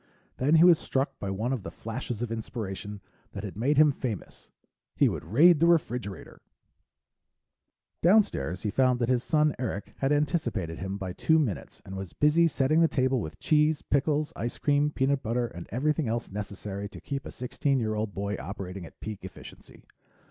Then he was struck by one of the flashes of inspiration that had made him famous he would raid the refrigerator. Downstairs, he found that his son Eric had anticipated him by two minutes, and was busy setting the table with cheese, pickles, ice cream, peanut butter, and everything else necessary to keep a sixteen year old boy operating at peak efficiency.